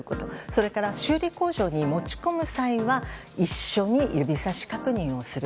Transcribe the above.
それから修理工場に持ち込む際は一緒に指さし確認をする。